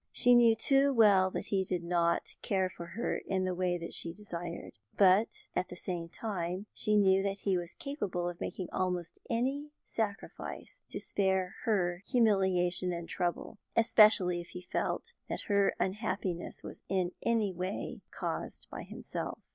She knew too well that he did not care for her in the way she desired, but at the same time she knew that he was capable of making almost any sacrifice to spare her humiliation and trouble, especially if he felt that her unhappiness was in any way caused by himself.